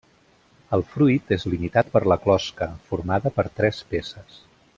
El fruit és limitat per la closca, formada per tres peces.